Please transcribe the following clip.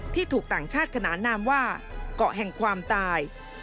ถูกต่างชาติขนานนามว่าเกาะแห่งความตาย